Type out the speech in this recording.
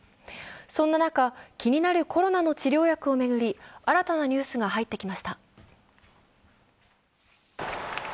そんな中、気になるコロナの治療薬を巡り新たなニュースが入ってきました。